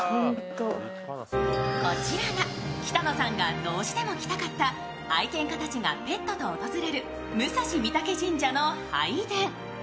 こちらが北乃さんがどうしても来たかった愛犬家たちがペットと訪れる武蔵御嶽神社の拝殿。